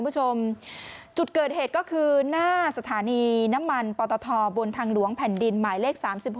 คุณผู้ชมจุดเกิดเหตุก็คือหน้าสถานีน้ำมันปตทบนทางหลวงแผ่นดินหมายเลข๓๖